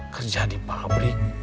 kerja di pabrik